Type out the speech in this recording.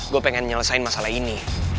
gue pengen nyelesain masalah ini